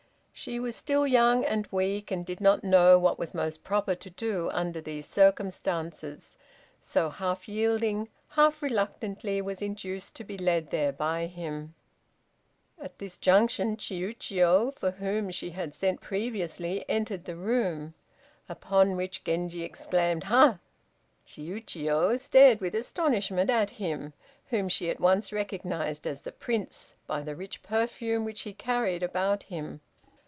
She was still young and weak, and did not know what was most proper to do under these circumstances, so half yielding, half reluctantly was induced to be led there by him. At this juncture Chiûjiô, for whom she had sent previously, entered the room. Upon which Genji exclaimed "Ha!" Chiûjiô stared with astonishment at him, whom she at once recognized as the Prince, by the rich perfume which he carried about him.